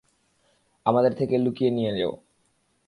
আমাদের থেকে লুকিয়ে নিয়ে যেও।